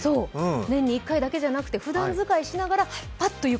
年に１回だけじゃなくてふだん使いしながら。